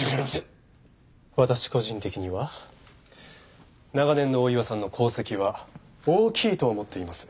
私個人的には長年の大岩さんの功績は大きいと思っています。